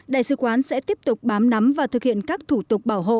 đại sứ quán sẽ tiếp tục bám nắm và thực hiện các thủ tục bảo hộ